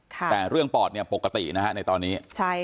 แต่เรื่องปอดเนี่ยปกตินะฮะในตอนนี้